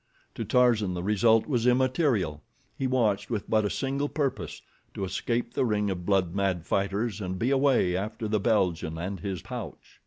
To Tarzan the result was immaterial. He watched with but a single purpose—to escape the ring of blood mad fighters and be away after the Belgian and his pouch.